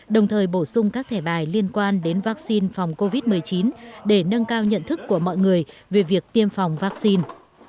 đồng thời bổ sung các thẻ bài liên quan đến vaccine phòng covid một mươi chín để nâng cao nhận thức của mọi người về việc tiêm phòng vaccine